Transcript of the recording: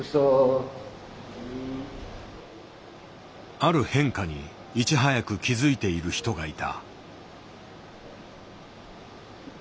ある変化にいち早く気づいている人がいた。